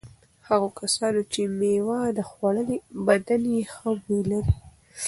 هغو کسانو چې مېوه خوړلي بدن یې ښه بوی لري.